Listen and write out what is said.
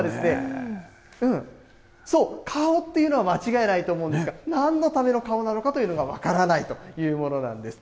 そう、顔っていうのは間違いないと思うんですが、なんのための顔なのかというのが、分からないというものなんです。